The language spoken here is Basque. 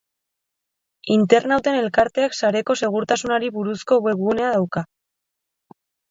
Internauten elkarteak sareko segurtasunari buruzko web gunea dauka.